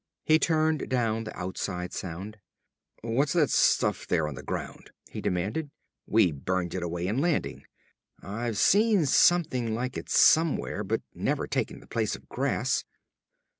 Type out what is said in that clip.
He turned down the outside sound. "What's that stuff there, the ground?" he demanded. "We burned it away in landing. I've seen something like it somewhere, but never taking the place of grass!"